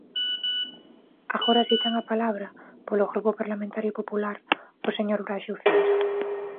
Agora si ten a palabra, polo Grupo Parlamentario Popular, o señor Braxe Uceira.